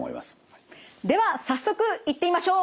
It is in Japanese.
では早速いってみましょう！